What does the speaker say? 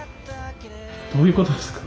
どういうことですか？